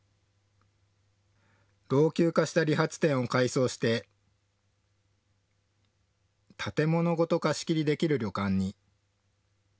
老朽化した理髪店を改装して建物ごと貸し切りできる旅館に。